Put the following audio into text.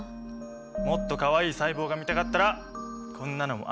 もっとかわいい細胞が見たかったらこんなのもあるよ。